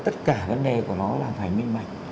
tất cả vấn đề của nó là phải minh bạch